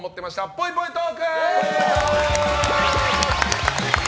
ぽいぽいトーク！